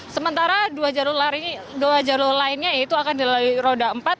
sementara dua jalur lainnya yaitu akan dilalui roda empat